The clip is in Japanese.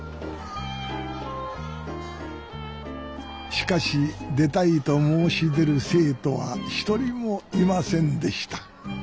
しかし出たいと申し出る生徒は一人もいませんでした